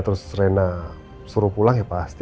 terus rena suruh pulang ya pasti